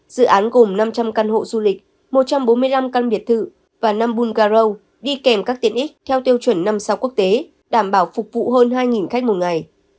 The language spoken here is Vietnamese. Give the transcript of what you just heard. dự án gồm năm trăm linh căn hộ du lịch một trăm bốn mươi năm căn biệt thự và năm bulgari đi kèm các tiện ích theo tiêu chuẩn năm sao quốc tế đảm bảo phục vụ hơn hai khách một ngày